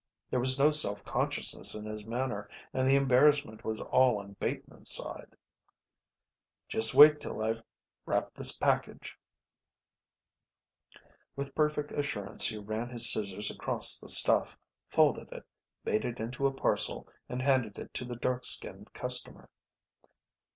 There was no self consciousness in his manner and the embarrassment was all on Bateman's side. "Just wait till I've wrapped this package." With perfect assurance he ran his scissors across the stuff, folded it, made it into a parcel, and handed it to the dark skinned customer.